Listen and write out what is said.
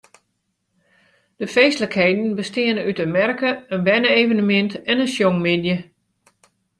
De feestlikheden besteane út in merke, in berne-evenemint en in sjongmiddei.